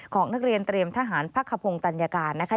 ของนักเรียนเตรียมทหารพักขพงศ์ตัญญาการนะคะ